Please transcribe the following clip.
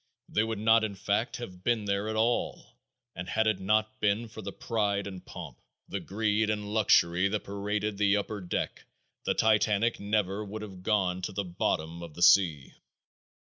They would not, in fact, have been there at all, and had it not been for the pride and pomp, the greed and luxury that paraded the upper deck, the Titanic never would have gone to the bottom of the sea.